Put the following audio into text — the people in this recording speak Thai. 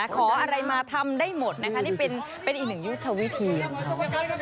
เพิ่มกัออะไรมาทำได้หมดนะคะเป็นอีกหนึ่งยุควิธีของเขา